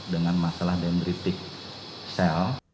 dengan masalah dendritik sel